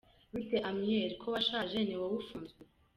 «Bite Amiel, ko washaje, ni wowe ufunzwe»?